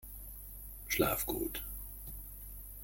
Schlaf gut!